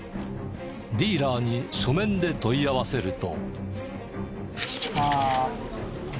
ディーラーに書面で問い合わせると。